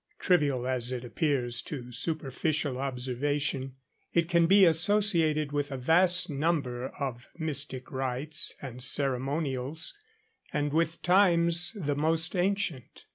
Trivial as it appears to superficial observation, it can be associated with a vast number of mystic rites and ceremonials, and with times the most ancient.